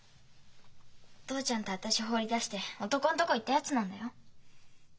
お父ちゃんと私放り出して男んとこ行ったやつなんだよ。